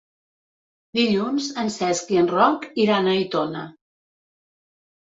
Dilluns en Cesc i en Roc iran a Aitona.